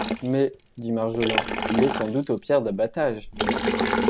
Mais, dit Marjolin, il est sans doute aux pierres d’abattage…